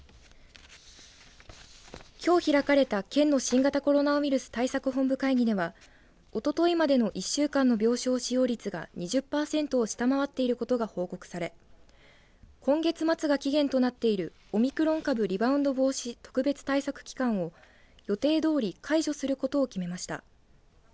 きょう開かれた県の新型コロナウイルス対策本部会議ではおとといまでの１週間の病床使用率が２０パーセントを下回っていることが報告され今月末が期限となっているオミクロン株リバウンド防止特別対策期間を予定どおり解除することを決めました。